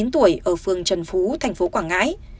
hai mươi chín tuổi ở phương trần phú thành phố quảng ngãi